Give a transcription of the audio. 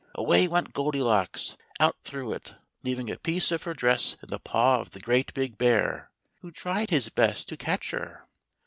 away went Goldilocks out through it, leaving a piece of her dress in the paw of the great big bear, who tried his best to catch her.